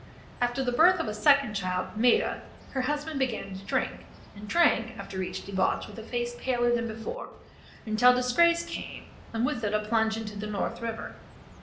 After the birth of a second child, Maida, her husband began to drink, and drank, after each debauch with a face paler than before, until disgrace came and with it a plunge into the North River.